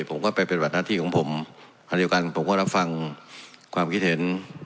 ผมก็ไปปฏิบัติหน้าที่ของผมขณะเดียวกันผมก็รับฟังความคิดเห็น